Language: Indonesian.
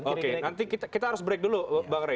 oke nanti kita harus break dulu bang rey